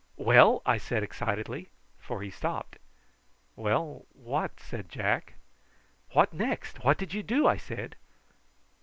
"Well!" I said, excitedly; for he stopped. "Well, what?" said Jack. "What next? What did you do?" I said.